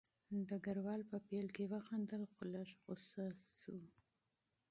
ډګروال په پیل کې وخندل خو لږ غوسه شو